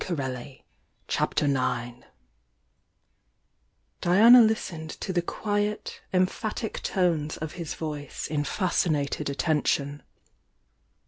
rr* CHAPTER IX Diana listened to the quiet, emphatic tones of his voice in fascinated attention.